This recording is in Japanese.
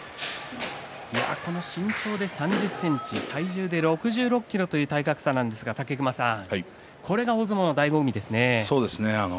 身長が３０ｃｍ差体重は６６ｋｇ差という体格差なんですがこれが大相撲のだいご味ですね。